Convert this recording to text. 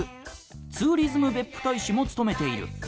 ツーリズム別府大使も務めている。